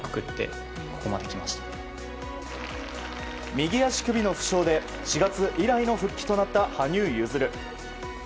右足首の負傷で、４月以来の復帰となった羽生結弦。